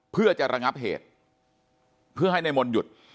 เพื่อจะระงับเหตุเพื่อให้นายมนต์หยุด